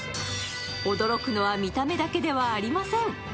驚くのは見た目だけではありません。